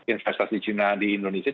investasi cina di indonesia